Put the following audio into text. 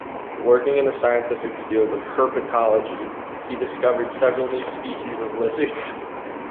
Working in the scientific field of herpetology, he described several new species of lizards.